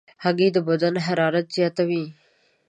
هګۍ د بدن حرارت زیاتوي.